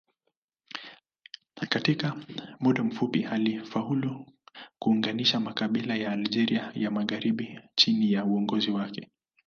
Katika muda mfupi alifaulu kuunganisha makabila ya Algeria ya magharibi chini ya uongozi wake.